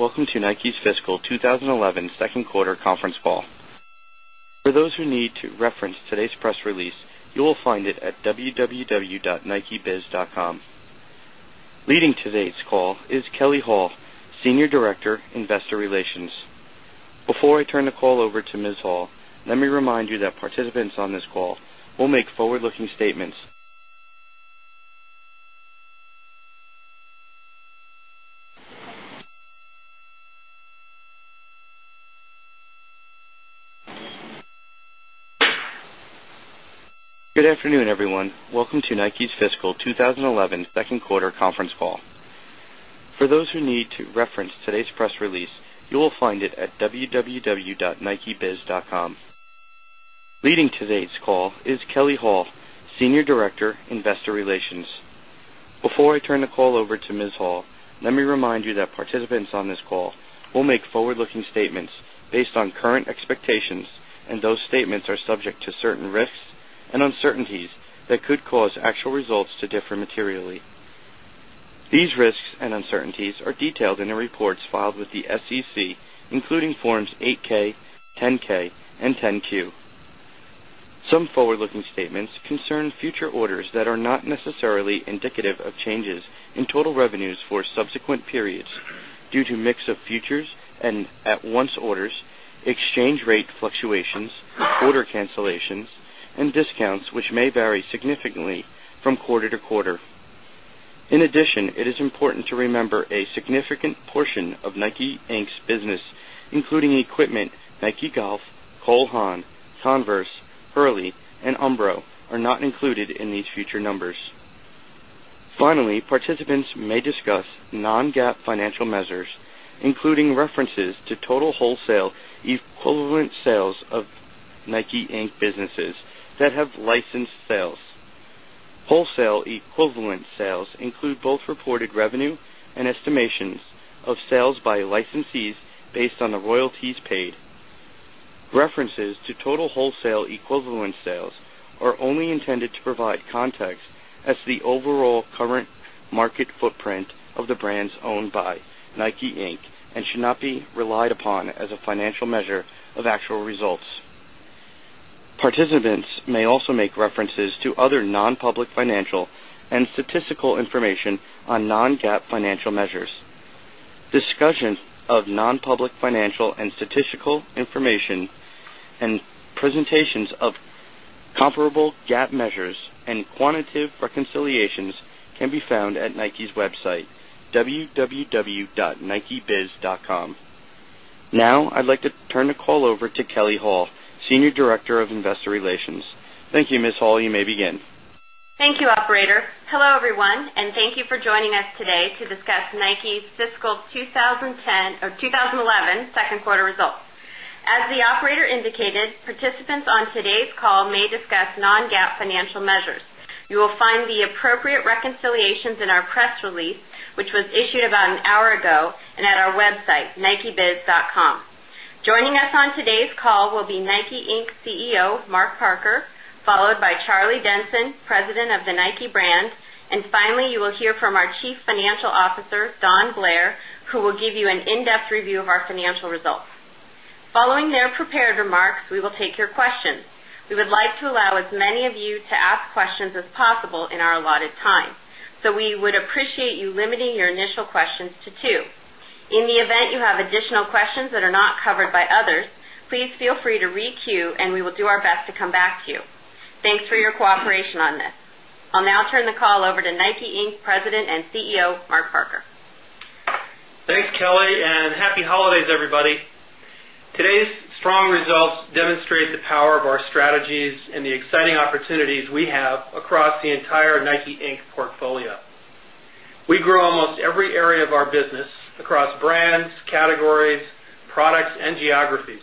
Welcome to NIKE's Fiscal 20 11 Second Quarter Conference Call. Leading today's call is Kelly Hall, Senior Director, Investor Relations. Before I turn the call over to Ms. Hall, let me remind you that participants on this call will make forward looking statements Good afternoon, everyone. Welcome to NIKE's fiscal 2011 Second Quarter Conference Call. For those who need to reference today's press release, you will find it on current expectations and those statements are subject to certain risks and uncertainties that could cause actual results to differ materially. These risks and uncertainties are detailed in the reports filed with the SEC, including Forms 8 ks, 10 ks and 10 Q. Some forward looking statements concern future orders that are not necessarily indicative of changes in total which may vary significantly from quarter to quarter. In addition, it is important to remember a significant portion of NIKE, Inc. Business equivalent sales include both reported revenue and estimations of sales by licensees based on the royalties paid. References to total wholesale equivalent sales are only intended to provide context as to the overall current market footprint of the references to other non public financial and statistical information on non GAAP financial measures. Discussion of non public financial and statistical information and presentations of comparable GAAP measures and quantitative reconciliations can be found at NIKE's website, www.nikebiz.com. Now, I'd like to turn the call over to Kelly Hall, Senior Director of Investor Relations. Thank you, Ms. Hall. You may begin. Thank you, operator. Hello, everyone, and thank you for joining us today to discuss NIKE's fiscal 20 10 or 20 11 second quarter results. As the operator indicated, participants on today's call may discuss non GAAP financial measures. You will find the appropriate reconciliations in our press release, which was issued about an hour ago and at our website, nikebiz.com. Joining us on today's call will be NIKE, Inc. CEO, Mark Parker followed by Charlie Denson, President of the Nike brand and finally, you will hear from our Chief Financial Officer, Don Blair, who will give you an in-depth review of financial results. Following their prepared remarks, we will take your questions. We would like to allow as many of you to ask questions as possible in our allotted time. So we would appreciate you limiting your initial questions to 2. In the event you have additional questions that are not covered by and the exciting opportunities we have across the entire NIKE, Inc. Portfolio. We grow almost every area of our business across brands, categories, products and geographies.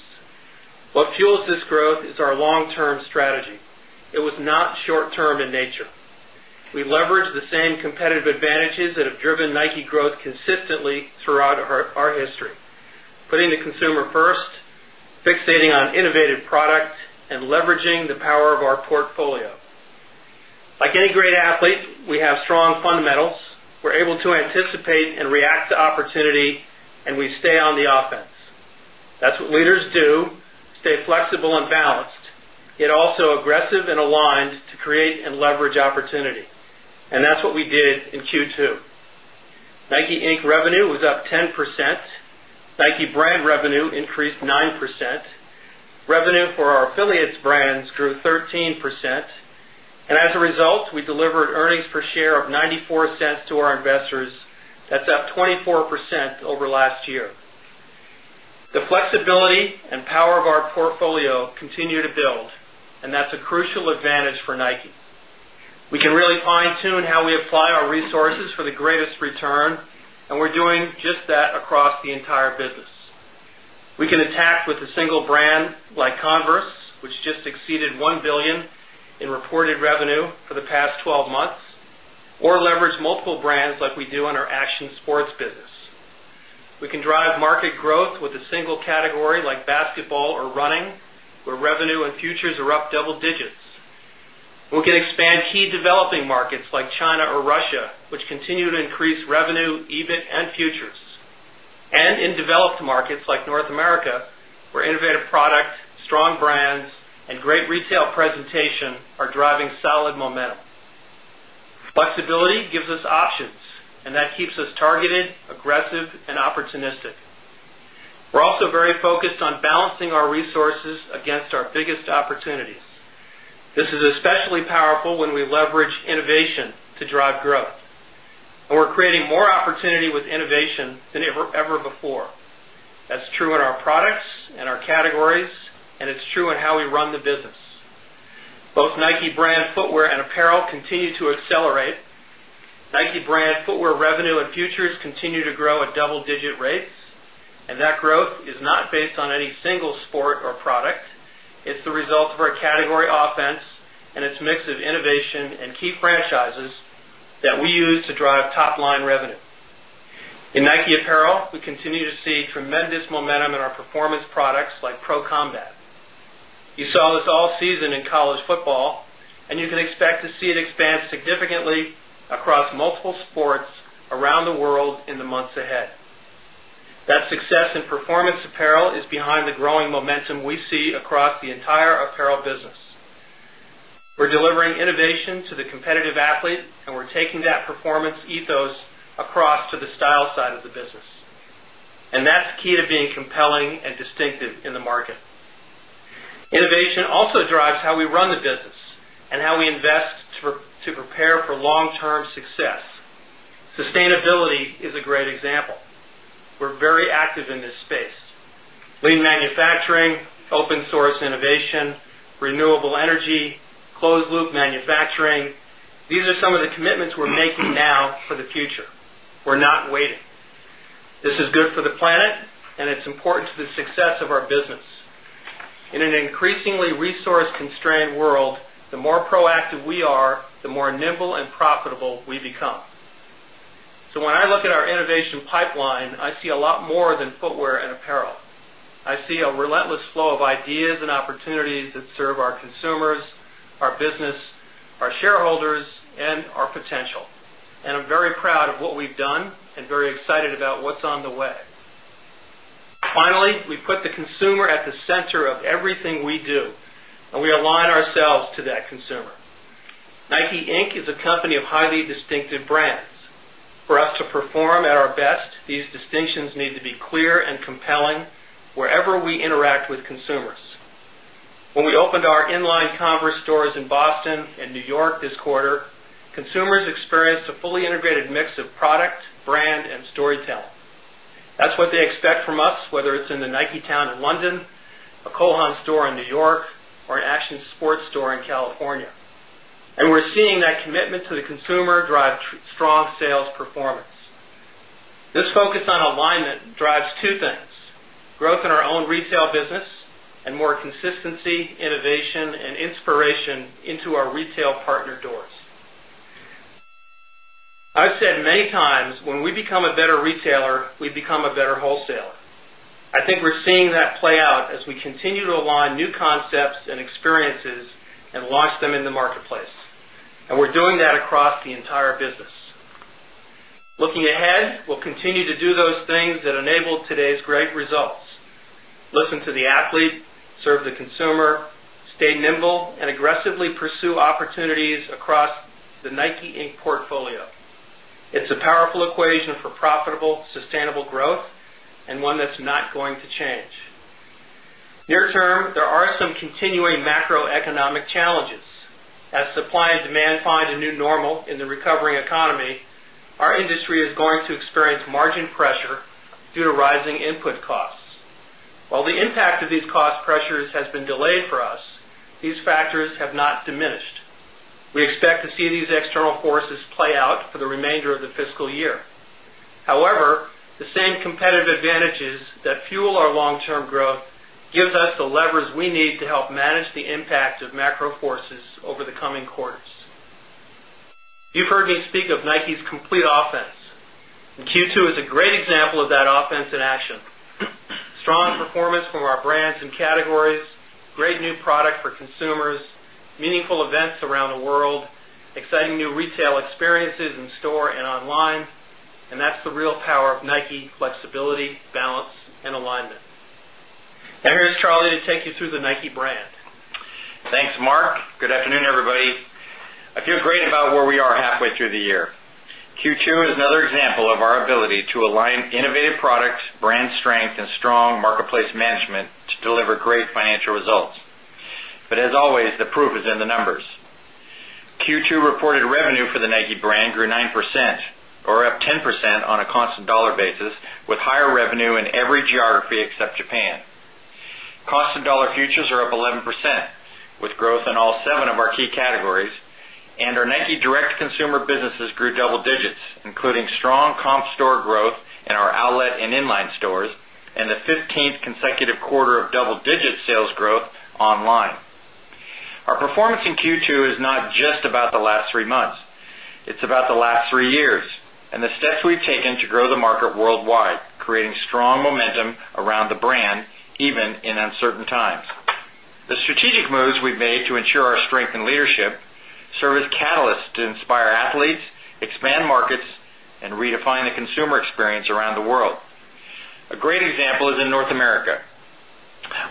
What fuels this growth is our long term strategy. It was not short term in nature. We leverage the same competitive advantages that have driven NIKE growth consistently throughout our history, putting the consumer first, fixating on innovative product and leveraging the power of our portfolio. Like any great athlete, we have strong fundamentals. We're able to anticipate and react to opportunity and we stay on the offense. That's what leaders do, stay flexible and balanced. It also aggressive and aligned to create and leverage opportunity. And that's what we did in Q2. NIKE, Inc. Revenue was up 10%, NIKE brand revenue increased 9%, revenue for our affiliates brands grew 13%, and as a result, we delivered earnings per share of $0.94 to our investors that's up 24 percent over last year. The flexibility and power of our portfolio continue to build and that's a crucial advantage for NIKE. We can really fine tune how we apply our resources for the greatest return and we're doing just that across the entire business. We can attack with a single brand like Converse, which just exceeded $1,000,000,000 in reported revenue for the past 12 months or leverage multiple brands like we do futures are up double digits. We can expand key developing markets like China or Russia, which continue to increase revenue, EBIT and futures. And in developed markets like North America, where innovative product, strong brands and great retail presentation very focused on balancing our resources against our biggest opportunities. This is especially powerful when we leverage innovation to drive and it's true in how we run the business. Both NIKE brand footwear and apparel continue to accelerate. NIKE brand footwear revenue and futures continue to grow at double digit rates and that growth is not based on any single sport or product. It's the result of our category offense and its mix of innovation and key franchises that we use to drive top line revenue. In Nike apparel, we you can expect to see it expand significantly across multiple sports around the world in the months ahead. That success in performance apparel is behind the growing momentum we see across the entire apparel business. We're delivering key to being compelling and distinctive in the market. Innovation also drives how we run the business and how we invest to prepare for long term success. Sustainability is a great example. We're very active in this space. Lean Manufacturing, Open Source innovation, renewable energy, closed loop manufacturing, these are some of the commitments we're making now for the future. We're not waiting. This is good for the planet and it's important to the success of our business. In an increasingly resource constrained world, the more proactive we are, the more nimble and profitable we become. So when I look at our innovation pipeline, I see a lot more than footwear and apparel. I see a relentless flow of ideas and opportunities that serve our consumers, our Finally, we put the consumer at the center of everything we do and we align ourselves to that consumer. NIKE, Inc. Is a company of highly distinctive brands. For us to perform at our best, these distinctions need to be clear and compelling wherever we interact with consumers. When we opened our in line commerce stores in Boston and New York this quarter, consumers experienced a fully integrated mix of product, brand and storytelling. That's what they expect from us, whether it's in the Nike town in London, a Cohan store in New York or an action sports store in California. And we're seeing that commitment to the consumer drive strong sales performance. This focus on alignment drives 2 things, growth in our own retail business and more consistency, innovation and inspiration into our retail partner doors. I've said many times when we become a better retailer, we become a better wholesaler. I think we're seeing that play out as we continue to align new concepts and experiences and launch them in the marketplace. And we're doing that across entire business. Looking ahead, we'll continue to do those things that enable today's great results. Listen to the athletes, serve the consumer, stay nimble and aggressively pursue opportunities across the NIKE, Inc. Portfolio. It's a some continuing macroeconomic challenges. As supply and demand find a new normal in the recovering economy, our industry is going to experience margin pressure due to rising input costs. While the impact of these cost pressures has been delayed for us, these factors not diminished. We expect to see these external forces play out for the remainder of the fiscal year. However, the same competitive advantages that fuel our long term growth gives us the levers we need to help manage the impact of macro forces over the coming quarters. You've heard me speak of NIKE's complete offense and Q2 is a great example of that offense in action. Strong performance from our brands and categories, great new product for consumers, meaningful events around the world, exciting new retail experiences in store and online, and that's the real power of NIKE flexibility, balance and alignment. Now, here Charlie to take you through the NIKE brand. Thanks, Mark. Good afternoon, everybody. I feel great about where we are halfway through the year. Q2 is another example of our ability to align innovative products, brand strength and strong marketplace management to deliver great financial results. But as always, the proof is in the numbers. Q2 reported revenue for the NIKE brand grew 9% or up 10% on a constant dollar basis with higher revenue in every geography except Japan. Cost and dollar futures are up 11% with growth in all 7 of our key categories and our NIKE direct to consumer businesses grew double digits, including strong comp store growth in our outlet and inline stores and the 15th consecutive quarter of double digit sales growth online. Our performance in Q2 is not just about the last 3 months. It's about the last 3 years and the steps we've taken to grow the market worldwide, creating strong momentum around the brand even in uncertain times. The strategic moves we've made to ensure our America.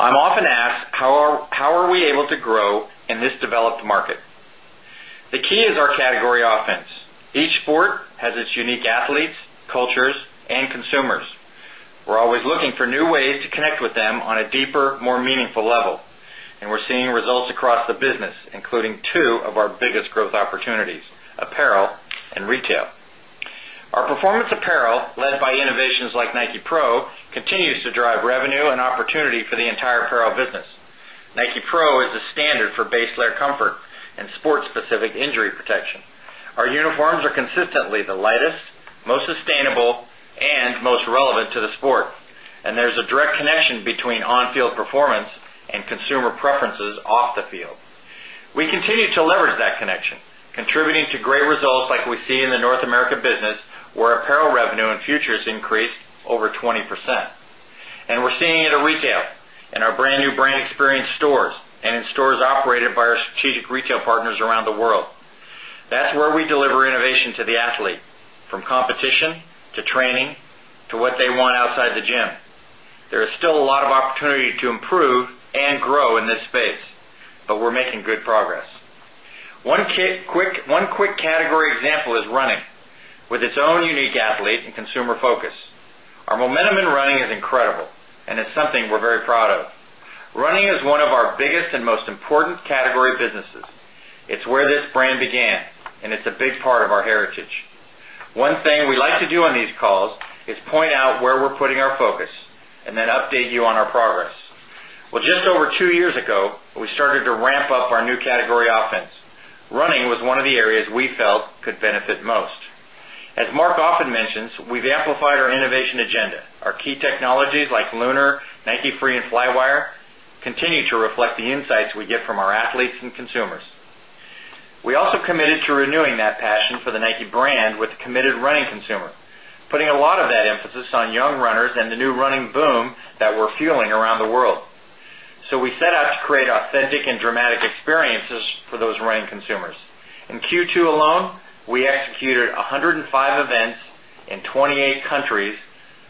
I'm often asked how are we able to grow in this developed market? The key is our category offense. Each sport has its unique athletes, cultures and consumers. We're always looking for new ways to connect with them on a deeper, more meaningful level. And we're seeing results across the business, including 2 of our biggest growth opportunities, apparel and retail. Our performance apparel led by innovations like Nike Pro continues to drive revenue and opportunity for the entire apparel business. Nike Pro is the standard for base layer comfort and between on field performance and consumer preferences off the field. We continue to leverage that connection, contributing to great results like we see in the North America business, where apparel revenue and futures increased over 20%. And we're seeing it at retail, in our brand new brand experience stores and in stores operated by our strategic retail partners around the world. That's where we deliver innovation to the athlete from competition to training to what they want outside the gym. There is still a lot of opportunity to improve and grow in this space, but we're making good progress. One quick category example is running with its own unique athlete and consumer focus. Our momentum in running is incredible and it's something we're very proud of. Running is one of our biggest and most important category businesses. It's where this brand began and it's a big part of our heritage. One thing we like to do on these calls is point out where we're putting our focus and then update you on our progress. Well, just over 2 years ago, we started to ramp up our new category offense. Running was one of the areas felt could benefit most. As Mark often mentions, we've amplified our innovation agenda. Our key technologies like Lunar, Nike Free and Flywire continue to reflect the insights we get from our athletes and consumers. We also committed to renewing that passion for the Nike brand with committed running consumer, putting a lot of that emphasis on young runners and the new running boom that we're fueling around the world. So we set out to create authentic and dramatic experiences for those running consumers. In Q2 alone, we executed 105 events in 28 countries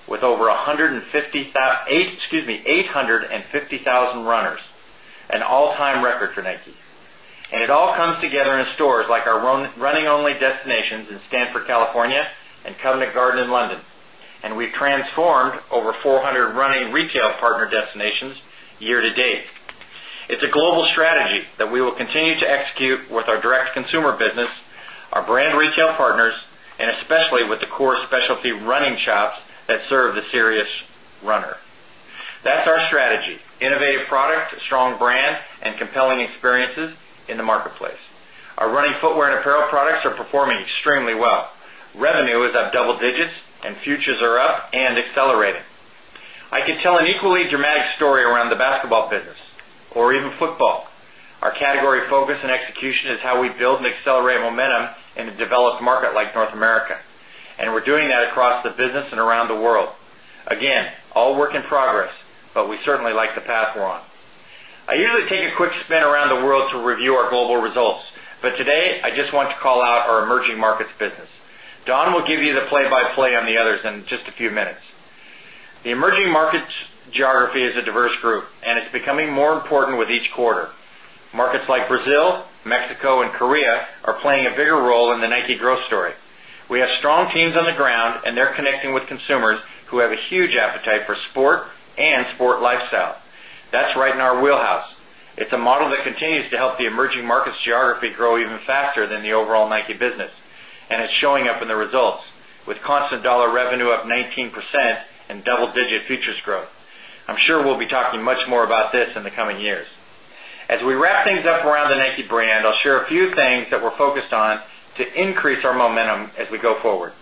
with over 850,000 runners, an all time record for NIKE. And it all comes together in stores like our running only destinations in Stanford, California and Covenant Garden in London. And we've transformed over 400 running retail partner destinations year to date. It's a global strategy that we will continue to execute with our direct to consumer business, our brand retail partners and especially with the core specialty running shops that serve the Sirius runner. That's our strategy, innovative product, strong brand and compelling experiences in the marketplace. Our running footwear and apparel products are performing extremely well. Revenue is up double digits and futures are up and accelerating. I can tell an equally dramatic story around the basketball business or even football. Our category focus and execution is how we build and accelerate momentum in a developed market like North America. And we're doing that across the business and around the world. Again, all work in progress, but we certainly like the path we're on. I usually take a quick spin around the world to review our global results. But today, I just want to call out our becoming more important with each quarter. Markets like Brazil, Mexico and Korea are playing a bigger role in the Nike growth story. We have strong teams the ground and they're connecting with consumers who have a huge appetite for sport and sport lifestyle. That's right in our wheelhouse. It's a model that continues to help the emerging markets geography grow even faster than the overall NIKE business and it's showing up in the results with constant dollar revenue percent and double digit features growth. I'm sure we'll be talking much more about this in the coming years. As we wrap things up around the NIKE brand, I'll share a few things that we're focused on to increase our momentum as we go forward.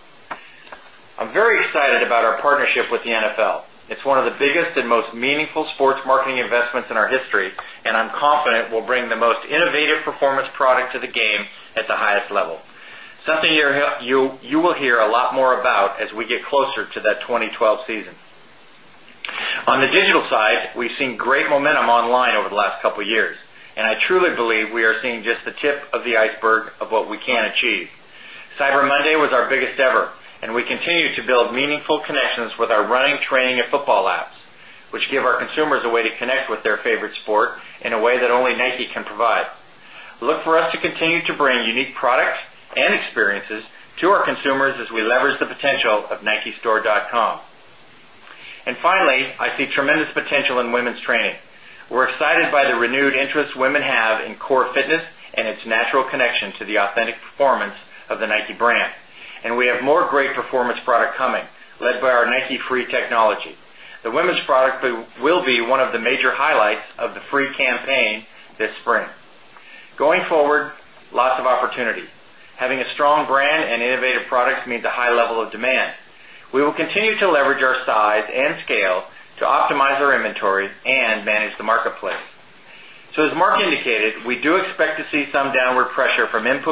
I'm very excited about partnership with the NFL. It's one of the biggest and most meaningful sports marketing investments in our history, and I'm confident we'll bring the most innovative performance product to the game at the highest level, something you will hear a lot more about as we get closer to that 2012 season. On the digital side, we've seen great momentum online over the last couple of years, and I truly believe we are seeing just the tip of the iceberg of what we can achieve. Cyber Monday was our biggest ever, and we continue to build meaningful connections with our running, training and football apps, which give our consumers a way to connect with their favorite sport in a way that only NIKE can provide. Look for us to continue to bring unique products and experiences to our consumers as we leverage the potential of nikistore.com. And finally, I see tremendous potential in women's training. We're excited by the renewed interest women have in core fitness and its natural connection to the authentic performance of the NIKE brand. And we have more great performance product coming, led by our NIKE free technology. The women's product will be one of the major highlights of the free campaign this spring. Going forward,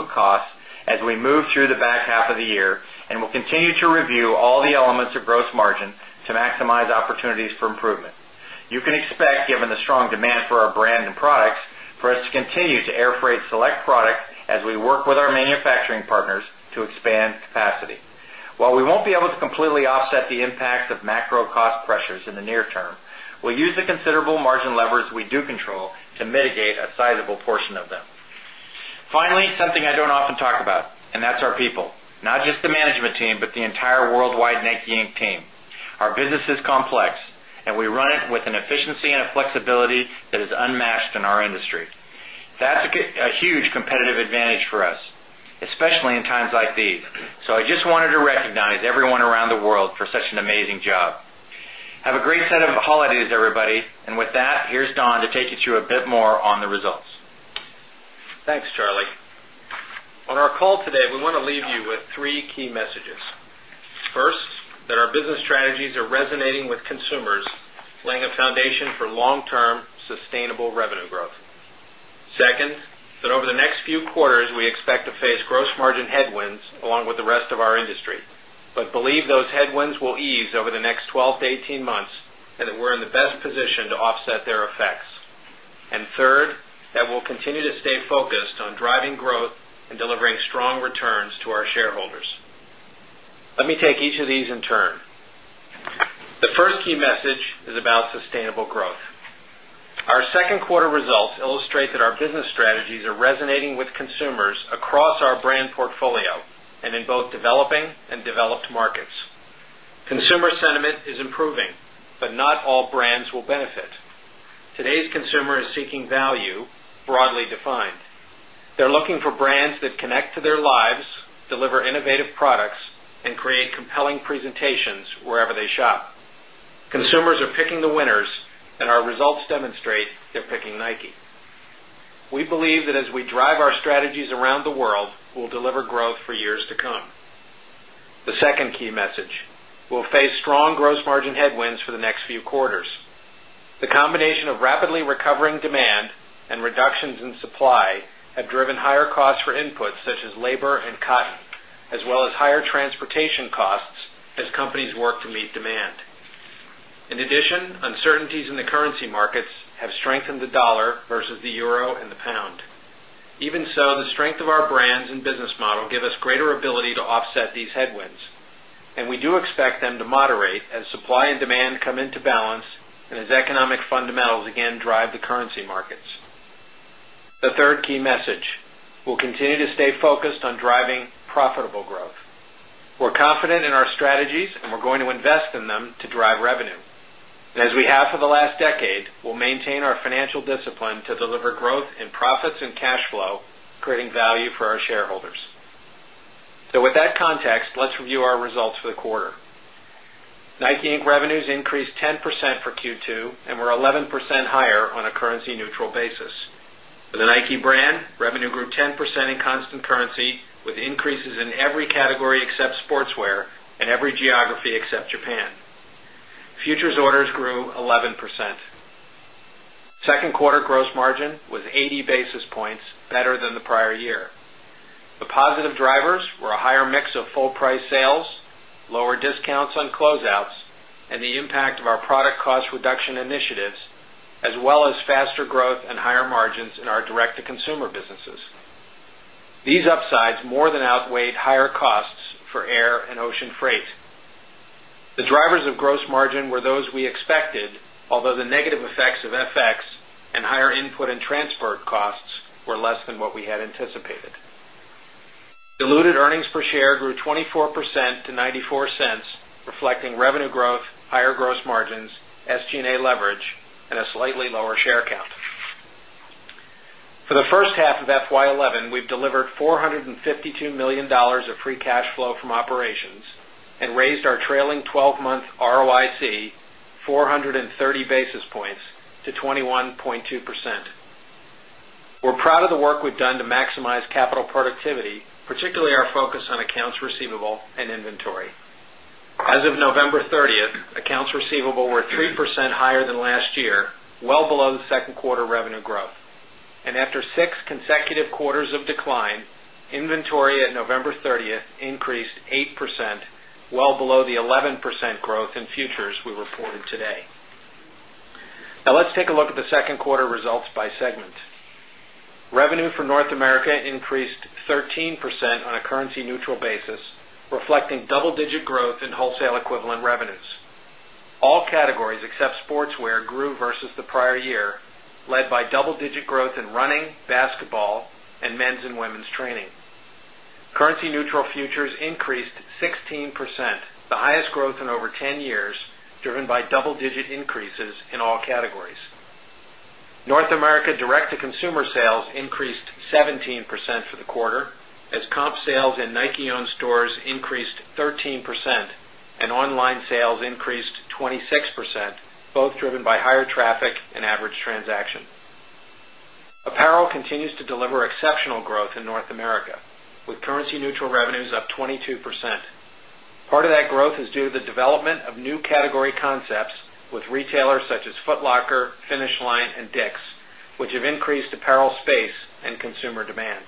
costs as we move through the back half of the year and we'll continue to review all the elements of gross margin to maximize opportunities for improvement. You can expect given the strong demand for our brand and products for us to continue to airfreight select product as we work with our manufacturing partners to expand capacity. While we won't be able to completely offset the impact of macro cost pressures in the near term, we'll use the considerable margin levers we do control sizable portion of them. Finally, something I don't often talk about, and that's our people, not just the management team, but the entire worldwide NEG, Inc. Team. Our business is complex and we run it with an efficiency and a flexibility that is unmatched in our industry. That's a huge competitive advantage for us, especially in times like these. So I just wanted to recognize everyone around the world for such an amazing job. Have a great set of holidays, everybody. And with that, here's Don to take you through a bit more on the results. Thanks, Charlie. On our call today, we want to leave you with 3 key messages. First, that our business strategies are resonating with consumers laying a foundation for long term sustainable revenue growth. 2nd, that over the next few quarters, we expect to face gross margin headwinds along with the rest of our industry, but believe those headwinds will ease over the next 12 to 18 months and that we're in the best position to offset their effects. And 3rd, that we'll continue to stay focused on driving growth and delivering strong returns to our shareholders. Let me take each of these in turn. The first key message is about sustainable growth. Our second quarter results illustrate that our business strategies are resonating with consumers across our brand portfolio and in both developing and developed markets. Consumer sentiment is improving, but not all brands will benefit. Today's consumer is seeking value broadly defined. They're looking for brands that connect to their lives, deliver innovative products and create compelling presentations wherever they shop. Consumers are picking the winners and our results demonstrate they're picking NIKE. We believe that as we drive our strategies around the world, we'll deliver growth for years to come. The second key message, we'll face strong gross margin headwinds for the next few quarters. The combination of rapidly recovering demand and reductions in supply have driven higher costs for inputs such as labor and cotton, as well as transportation costs as companies work to meet demand. In addition, uncertainties in the currency markets have strengthened the dollar versus the euro and the pound. Even so, the strength of our brands and business model give us greater ability to offset these headwinds. And we do expect them to moderate as supply and demand come into balance and as economic fundamentals again drive the currency markets. The 3rd key message, we'll continue to stay focused on driving profitable growth. We're confident in our strategies and we're going to invest in them to drive revenue. And as we have for the last decade, we'll maintain our financial discipline to deliver growth in profits and cash flow, creating value for our shareholders. So with that context, let's review our results for the quarter. NIKE, Inc. Revenues increased 10% for Q2 and were 11% higher on a currency neutral basis. For the NIKE brand, revenue grew 10% in constant currency with increases in every category except sportswear and every geography points better than the prior year. The positive drivers were a higher mix of full price sales, lower discounts on closeouts and and the impact of our product cost reduction initiatives as well as faster growth and higher margins in our direct to consumer businesses. These upsides more than outweighed higher costs for air and ocean freight. The drivers of gross margin were those we expected, although the negative effects of FX and higher input and transport costs were less than what we had anticipated. Diluted earnings per share grew 24% to 0.94 dollars reflecting revenue growth, higher gross margins, SG and A leverage and a slightly lower share count. For the first half of FY 'eleven, we've delivered $452,000,000 of free cash flow from operations and raised our trailing 12 month ROIC 430 basis points to 21.2%. We're proud of the work we've done to maximize capital productivity, particularly our focus accounts receivable and inventory. As of November 30, accounts receivable were 3% higher than last year, well below the 2nd quarter revenue growth. And after 6 consecutive quarters of decline, inventory at November 30 increased 8%, well below the 11% growth in futures we reported today. Now let's take a look at the 2nd quarter results by segment. Revenue for North America increased 13% on a currency neutral basis, reflecting double digit growth in wholesale equivalent revenues. All categories except sportswear grew versus the prior year, led by double digit growth in running, basketball and men's and women's training. Currency neutral futures increased 16%, the highest growth in over 10 years driven by double digit increases in all categories. North America direct to consumer sales increased 17% for the quarter as comp sales in continues to deliver exceptional growth in North America with currency neutral revenues up 22%. Part of that growth is due to the development of new category concepts with retailers such as Foot Locker, Finish Line and Dick's, which have increased apparel space and consumer demand.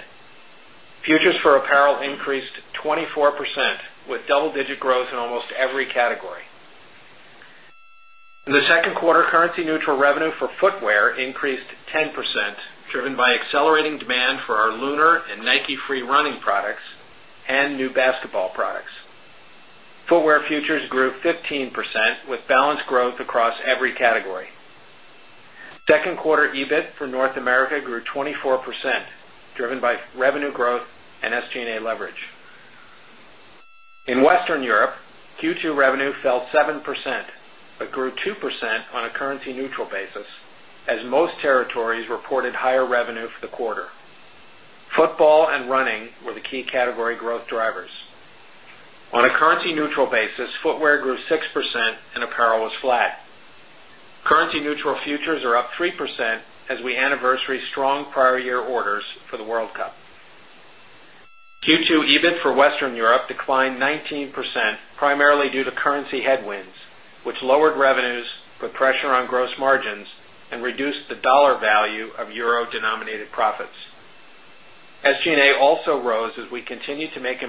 Quarter, currency neutral revenue for footwear increased 10% driven by accelerating demand for our LUNAR and NIKE free running products and new basketball products. Footwear futures grew 15% with balanced growth across every category. 2nd quarter EBIT for North America grew 24% driven by revenue growth and SG and A leverage. In Western Europe, Q2 revenue fell 7%, but grew 2% on a currency neutral basis as most territories reported higher revenue for the quarter. Football and running were the key category growth drivers. On a currency neutral basis, footwear grew 6% and apparel was flat. Europe declined 19% primarily due to currency headwinds which lowered revenues, put pressure on gross margins and reduced the dollar value of euro denominated profits. SG and A also rose as we continue to make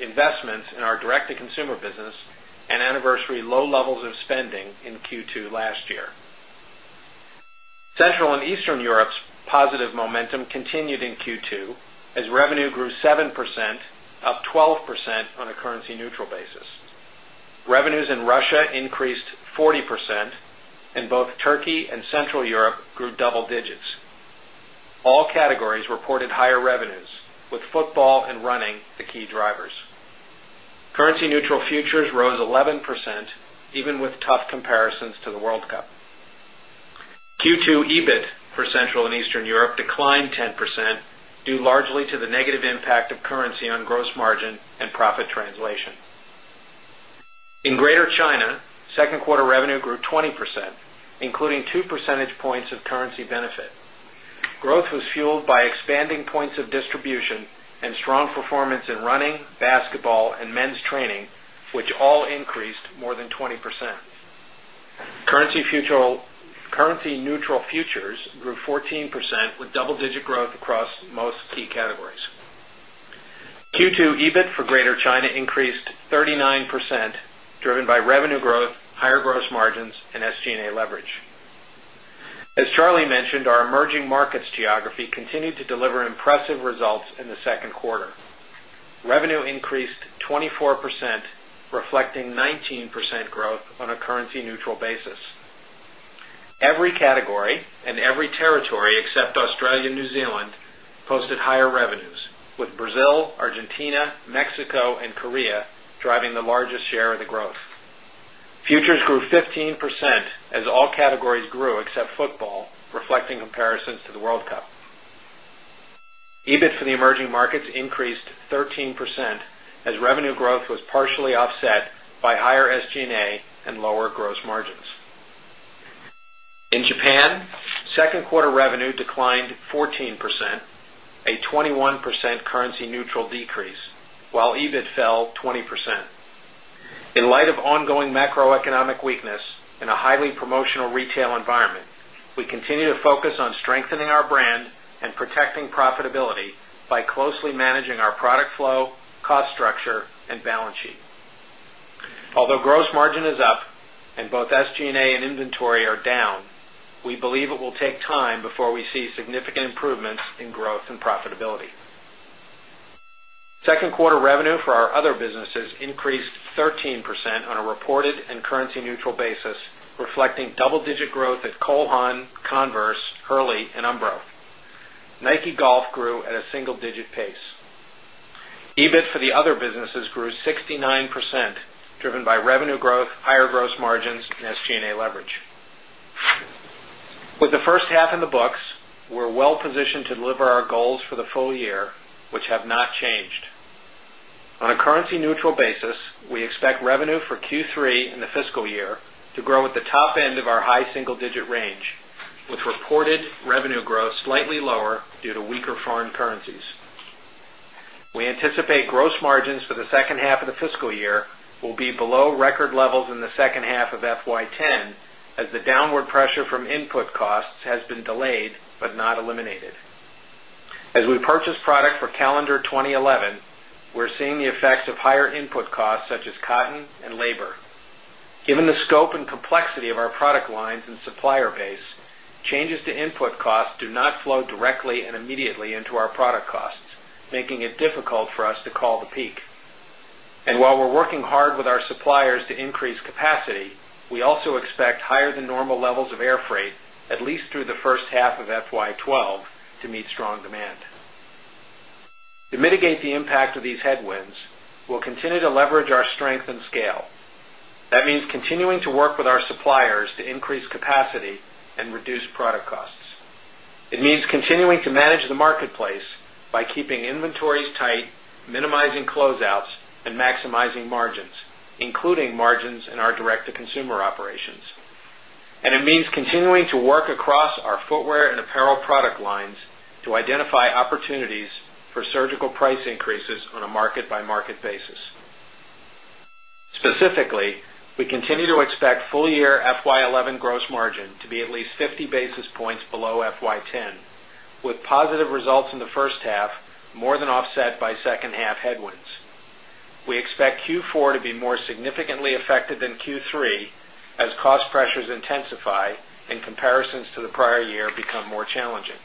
investments in our direct to consumer business and low levels of spending in Q2 last year. Central and Eastern Europe's positive momentum continued in Q2 as revenue grew 7%, up 12% on a currency neutral basis. Revenues in Russia increased 40% and both Turkey and Central Europe grew double digits. All categories reported higher revenues with football and running the key drivers. Currency neutral futures rose 11 percent even with tough comparisons to the World Cup. Q2 EBIT for Central and Eastern Europe declined 10% 20%, including 2 percentage points of currency grew 20%, including 2 percentage points of currency benefit. Growth was fueled by expanding points of distribution and strong performance in running, basketball and men's training, which all increased more than 20%. Currency neutral futures grew 14% with double digit growth across most key categories. Q2 EBIT for Greater China increased 39% driven by revenue growth, higher gross margins and SG and A leverage. As Charlie mentioned, our emerging markets geography continued to deliver impressive results in the 2nd quarter. Revenue increased 24% reflecting 19 percent growth on a currency neutral basis. Every category and every territory except Australia and New Zealand posted higher revenues with Brazil, Argentina, Mexico and Korea driving the largest share of the growth. Futures grew 15% as all categories grew except football reflecting comparisons to the World Cup. EBIT for the emerging markets increased 13% as revenue growth was partially offset by higher SG and A and lower gross margins. In Japan, fell 20%. In light of ongoing macroeconomic weakness in a highly promotional retail environment, we we continue to focus on strengthening our brand and protecting profitability by closely managing our product flow, cost structure and balance sheet. Although gross margin is up and both SG and A and inventory are down, we believe it will take time before we see significant improvements in growth and profitability. 2nd quarter revenue for our other businesses increased 13% on a reported and currency neutral basis reflecting double digit growth at Cole Haan, Converse, Hurley and Umbro. Nike Golf grew at a single digit pace. EBIT for the other businesses grew 69% driven revenue growth, higher gross margins and SG and A leverage. With the first half in the books, we're well positioned to deliver our goals for the full year, which have not changed. On a currency neutral basis, we expect revenue for Q3 in the fiscal year to grow at the top end of our high single digit range, with reported revenue growth slightly lower due to weaker foreign currencies. We anticipate gross margins for the second half of the fiscal year will be below record levels in the second half of FY 'ten as the downward pressure from input costs has been delayed, but not eliminated. As we purchase product for calendar 2011, we're seeing the effects of higher input costs such as cotton and labor. Given the scope and complexity of our product lines and supplier base, changes hard with our suppliers to increase capacity, we also expect higher than normal levels of airfreight at least through the first half of FY 'twelve to meet strong demand. To mitigate the impact of these headwinds, we'll continue to leverage our strength and scale. That means continue to work with our suppliers to increase capacity and reduce product costs. It means continuing to manage the marketplace by keeping inventories tight, minimizing closeouts and maximizing margins, including margins in our direct to consumer operations. And it means continuing to to Specifically, we continue to expect full year FY 'eleven gross margin to be at least 50 basis points below FY 'ten with positive results in the first half more than offset by second half headwinds. We expect Q4 to be more significantly affected than Q3 as cost pressures intensify and comparisons to the prior year become more challenging.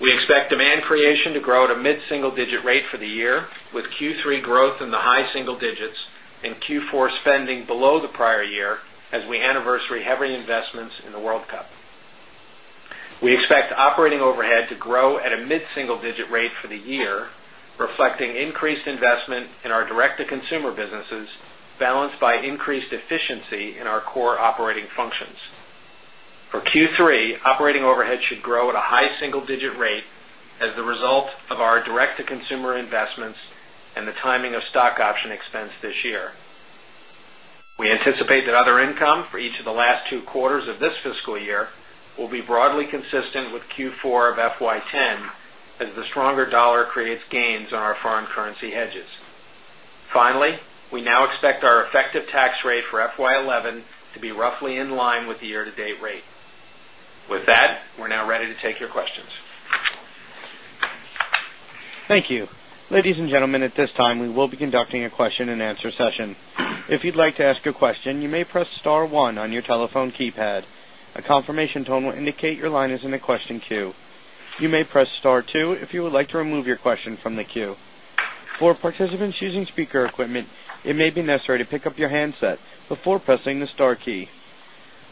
We expect demand creation to grow at a mid single digit rate for the year with Q3 growth in the high single digits and Q4 spending below the prior year as we anniversary heavy investments in the World Cup. We expect operating overhead to grow at a mid single digit rate for the year, reflecting increased investment in our direct to consumer businesses balanced by increased efficiency in our core operating functions. For Q3, operating overhead should grow at a high single digit rate as the result of our direct to consumer investments and the timing of stock option expense this year. We anticipate that other income for each of the last two quarters of this fiscal year be broadly consistent with Q4 of FY 'ten as the stronger dollar creates gains on our foreign currency hedges. Finally, we now expect our effective tax rate for FY11 to be roughly in line with the year to date rate. With that, we're now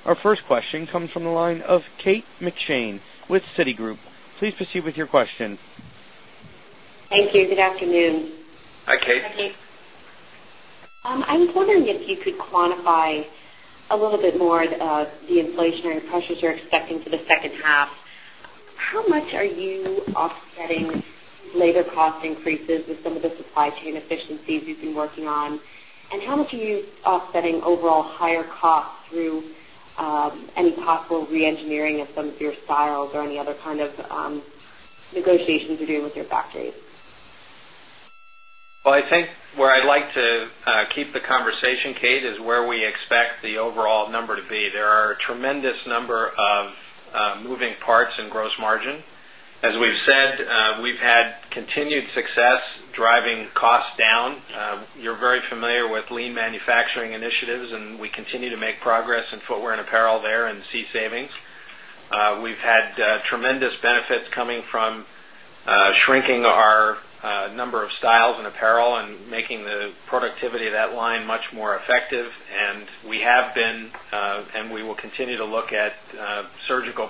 Our first question comes from the line of Kate McShane with Citigroup. Please proceed with your question. Thank you. Good afternoon. Hi, Kate. Hi, Kate. Hi, Kate. I was wondering if you could quantify a little bit more the inflationary pressures you're expecting for the second half. How much are you offsetting labor cost increases with some of supply chain efficiencies you've been working on? And how much are you offsetting overall higher costs through any possible reengineering of some of your styles or any other kind of negotiations you're doing with your factories? Well, I think where I'd like to keep the conversation, Kate, is where we expect the overall number to be. There are tremendous number of moving parts in gross margin. As we've we've said, we've had continued success driving costs down. You're very familiar with lean manufacturing initiatives and we continue to make progress in footwear and apparel and and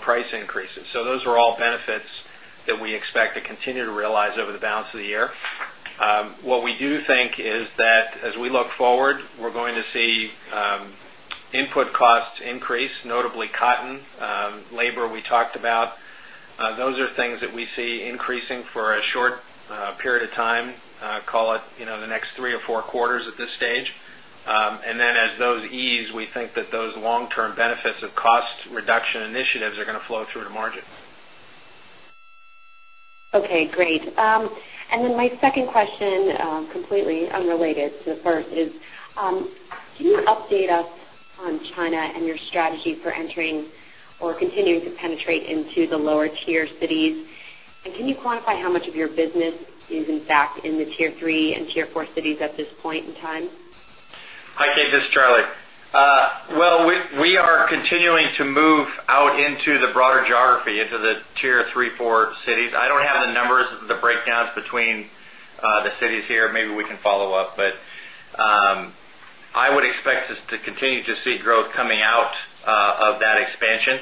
price increases. So those are all benefits that we expect to continue to realize over the balance of the year. What we do think is that as we look forward, we're going to see input costs increase notably cotton, labor we talked about. Those are things that we see increasing for a short period of time, call it the next 3 or 4 quarters at this stage. And then as those ease, we think that those long term benefits of cost reduction initiatives are going to flow through the margin. Okay, great. And then my second question completely unrelated to the first is, can you update us on China and your strategy for entering or continuing to penetrate into the lower tier cities? And can you quantify how much of your business is in fact in the Tier 3 and Tier 4 cities at this point in time? Hi, Kate, this is Charlie. Well, we are continuing to move out into the broader geography into the Tier 3, 4 cities. I don't have the numbers, the breakdowns between the cities here, maybe we can follow-up. But I would expect us to continue to see growth coming out of that expansion.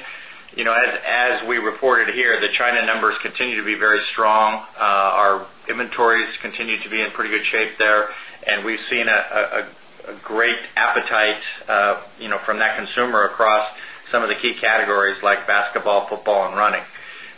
As we reported here, the China numbers continue to be very strong. Our inventories continue to be in pretty good shape there, and we've seen a great appetite from that consumer across some of the key categories like basketball, football and running.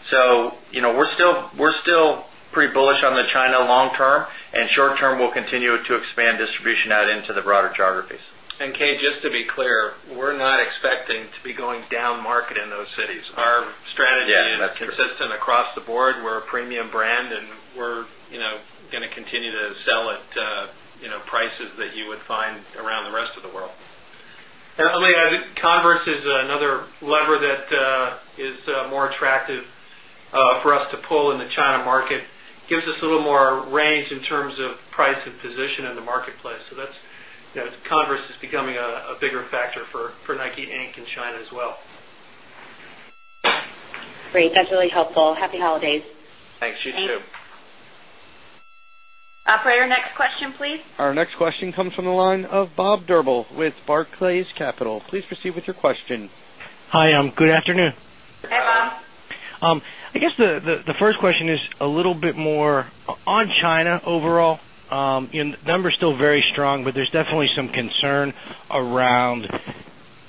So, we're still pretty bullish on the China long term and short term we'll continue to expand distribution out into the broader geographies. And Kate, just to be clear, we're not expecting to be going down market in those cities. Our strategy is consistent across the board. We're a premium brand and we're going to continue to sell at prices that you would find around the rest of the world. Converse is another lever that is more attractive for us to pull in the China market, gives us a little more range in terms of price and position in the marketplace. So that's Converse is becoming a bigger factor for NIKE, Inc. In China as well. Our next question comes from the line of Bob Drbul with Barclays Capital. Please proceed with your question. Hi, good afternoon. Hi, Bob. I guess the first question is a little bit more on China overall. The number is still very strong, but there's definitely some concern around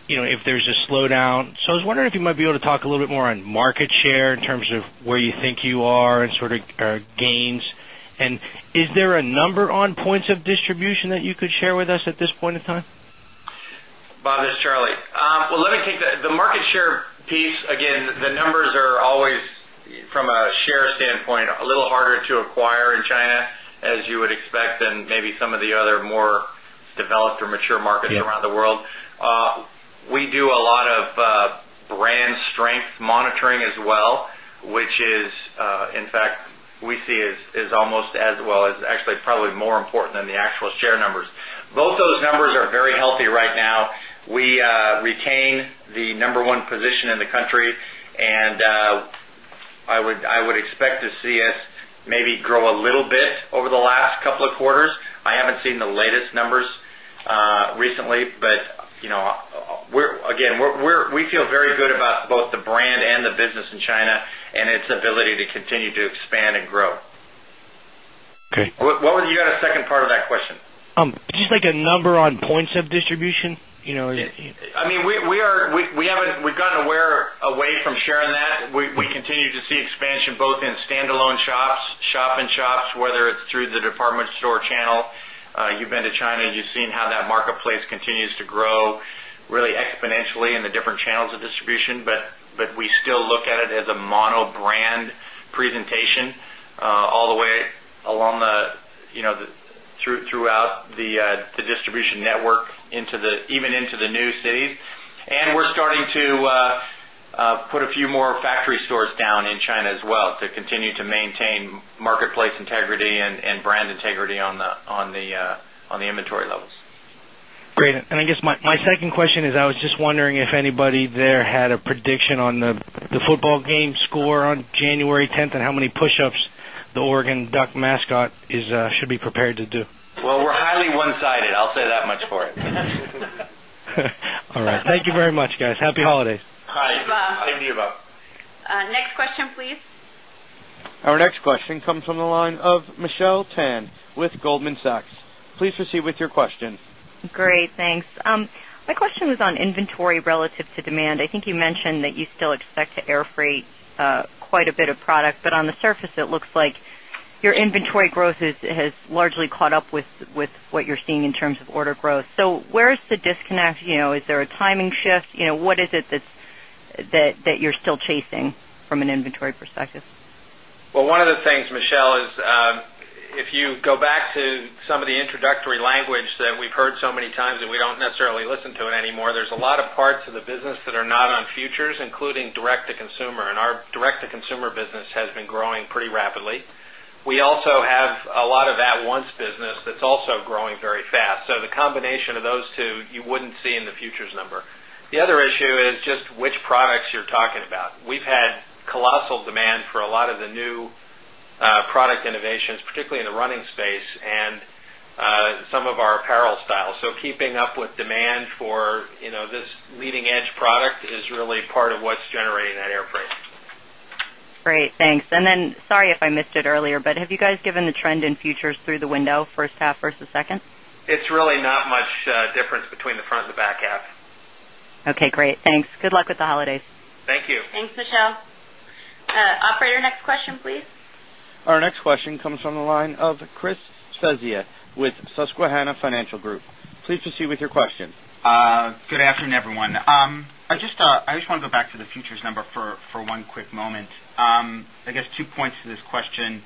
if there's a slowdown. So I was wondering if you might be able to talk a little bit more on market share in terms of where you think you are and sort of gains? And is there a number on points of distribution that you could share with us at this point in time? Bob, this is Charlie. Well, let me take the market share piece again, the numbers are always from a share standpoint, a little harder to acquire in China as you would expect than maybe some of the other more developed or mature markets around the world. We do a lot of brand strength monitoring as well, which is in fact we see is almost as well as actually probably more important than the actual share numbers. Both those numbers are very healthy right now. We retain the number one position in the country and I would again, we're we feel very good recently, but we're again, we feel very good about both the brand and the business in China and its ability to continue to expand and grow. Okay. What was the second part of that question? Just like a number on points of distribution? I mean, we are we haven't we've gotten away from sharing that. We continue to see expansion both in standalone shops, shop in shops, whether it's through the department store channel. You've been to China, you've seen how that marketplace mono brand presentation, all the way, as a mono brand presentation all the way along the throughout the distribution network into the even into the new cities. And we're starting to put a few more factory stores down in China as well to continue to maintain marketplace integrity and brand integrity on the inventory levels. Great. And I guess my second question is, I was just wondering if anybody there had a prediction on the football game score on January 10th and how many push ups the Oregon mascot is should be prepared to do? Well, we're highly one-sided. I'll say that much for it. All right. Thank you very much, guys. Happy holidays. Hi, Eva. Next question please. Our next question comes from the line of Michelle Tan with Goldman Sachs. Please proceed with your question. Great, thanks. My question was on inventory relative to demand. I think you mentioned that you still expect to airfreight quite a bit of product. But on the surface, it looks like your inventory growth has largely caught up with what you're seeing in terms of order growth. So where is the disconnect? Is there a timing shift? What is it that you're still chasing from an inventory perspective? Well, one of the things, Michelle, is if you go back to some of the introductory language that we've heard so many times that we don't necessarily listen to it anymore, there's a lot of parts of the business that are not on futures, the combination of those 2, you wouldn't see in the futures number. The other issue is just which products you're talking about. We've had colossal demand for a lot of the new product innovations, particularly in the running space and some of our apparel styles. So, keeping up with demand for this leading edge product is really part of what's generating that airframe. Great. Thanks. And then sorry if I missed it earlier, but have you guys given the trend in futures through the window first half versus second? It's really not much difference between the front and the back half. Okay, great. Thanks. Good luck with the holidays. Thank you. Thanks, Michelle. Operator, next question please. Our next question comes from the line of Chris Svezia with Susquehanna Financial Group. Please proceed with your question. Good afternoon, everyone. I just want to go back to the futures number for one quick moment. I guess two points to this question.